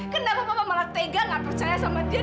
kenapa bapak malah tega gak percaya sama dia